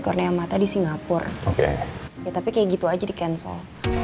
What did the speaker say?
kornea mata di singapura ya tapi kayak gitu aja di cancel